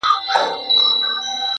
راډیو په سفر کې اورېدل کېږي